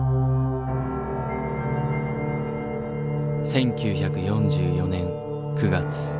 １９４４年９月。